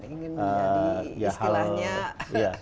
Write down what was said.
ingin menjadi istilahnya diterima